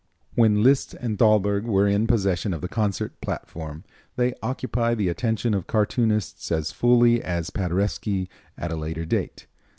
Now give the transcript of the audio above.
When Liszt and Thalberg were in possession of the concert platform, they occupied the attention of cartoonists as fully as Paderewski at a later date.